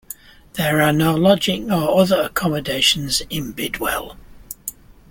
There are no lodging or other accommodations in Bidwell.